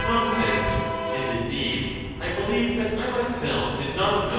335 nonsense ; and indeed I believe that I myself did not know Cratyius.